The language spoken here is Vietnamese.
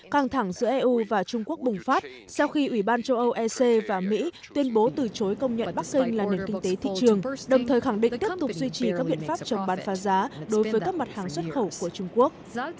căng thẳng giữa eu và trung quốc bùng phát sau khi ủy ban châu âu ec và mỹ tuyên bố từ chối công nhận bắc sơn là nền kinh tế thị trường đồng thời khẳng định tiếp tục duy trì các biện pháp chống bán phá giá đối với các mặt hàng xuất khẩu của trung quốc